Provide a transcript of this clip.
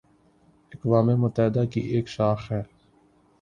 اقوام متحدہ کی ایک شاخ ہے